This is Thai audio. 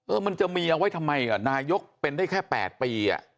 เออมันจะมีเอาไว้ทำไมอ่ะนายกเป็นได้แค่๘ปีอ่ะ